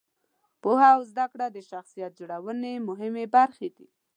پوهه او زده کړه د شخصیت جوړونې مهمې برخې دي.